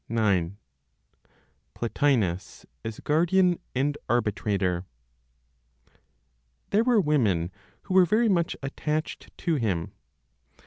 IX. PLOTINOS AS GUARDIAN AND ARBITRATOR. There were women who were very much attached to him.